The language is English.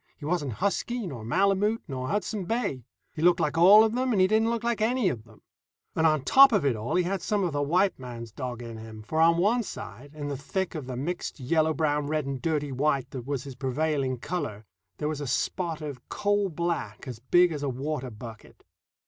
He wasn't husky, nor Malemute, nor Hudson Bay; he looked like all of them and he didn't look like any of them; and on top of it all he had some of the white man's dog in him, for on one side, in the thick of the mixed yellow brown red and dirty white that was his prevailing color, there was a spot of coal black as big as a water bucket.